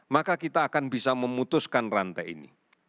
maka kita akan bisa memutuskan rantai ini